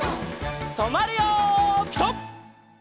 とまるよピタ！